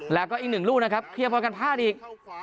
แล้วก็อีกหนึ่งลูกนะครับเคลียร์พอกันพลาดอีก